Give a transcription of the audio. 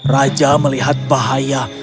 raja melihat bahaya